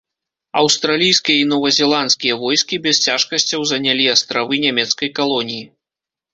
Аўстралійскія і новазеландскія войскі без цяжкасцяў занялі астравы нямецкай калоніі.